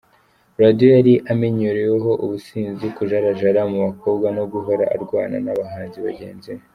Radio yari amenyereweho ubusinzi, kujarajara mu bakobwa no guhora arwana n’abahanzi bagenzi be.